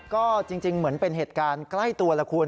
ก็จริงเหมือนเป็นเหตุการณ์ใกล้ตัวละคุณ